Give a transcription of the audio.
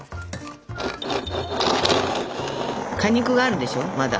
果肉があるでしょまだ。